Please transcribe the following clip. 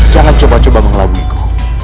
jangan coba coba mengelaburiku